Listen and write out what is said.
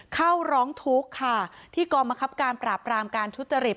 เข้าร้องทุกข์ค่ะที่กองบังคับการปราบรามการทุจริต